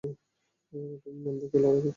তুমি মন থেকে লড়াই করছো না।